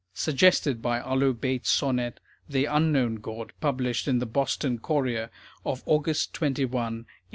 (Suggested by Arlo Bates' sonnet, "The Unknown God," published in the BOSTON COURIER of August 21, 1887.)